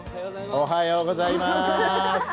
おはようございます。